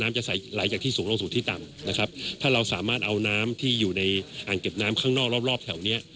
จะไหลจากที่สูงลงสู่ที่ต่ำนะครับถ้าเราสามารถเอาน้ำที่อยู่ในอ่างเก็บน้ำข้างนอกรอบรอบแถวเนี้ย